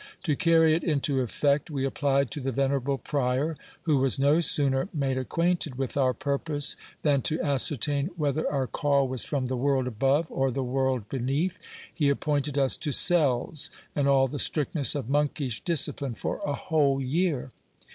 To carry it into effect, we applied to the venerable prior, who was no sooner made acquainted with our purpose, than to ascertain whether our call was from the world above or the world beneath, he appointed us to cells, and all the strictness of monkish discipline, for a whole year.